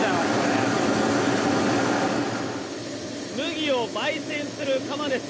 麦を焙煎する窯です。